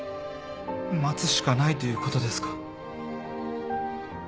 待つしかないということですか。